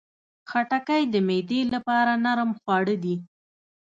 خټکی د معدې لپاره نرم خواړه دي.